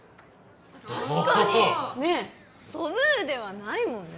確かにねえソブーではないもんね